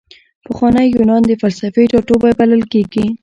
پخوانی یونان د فلسفې ټاټوبی بلل کیږي.